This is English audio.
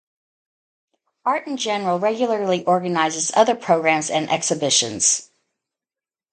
Art in General regularly organizes other programs and exhibitions.